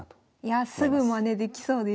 すぐマネできそうです。